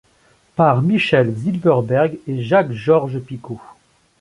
Par Michel Zylberberg et Jacques Georges-Picot.